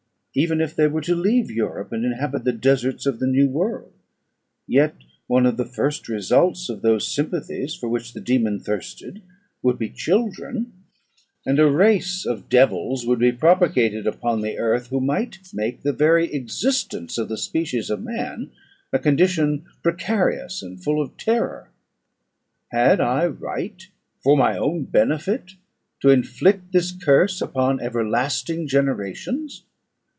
Even if they were to leave Europe, and inhabit the deserts of the new world, yet one of the first results of those sympathies for which the dæmon thirsted would be children, and a race of devils would be propagated upon the earth, who might make the very existence of the species of man a condition precarious and full of terror. Had I right, for my own benefit, to inflict this curse upon everlasting generations?